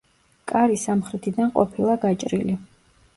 კარი სამხრეთიდან ყოფილა გაჭრილი.